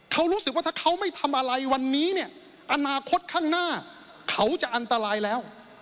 เขารู้สึกว่าถ้าเขาไม่ทำอะไรวันนี้เนี่ยอนาคตข้างหน้าเขาจะอันตรายแล้ว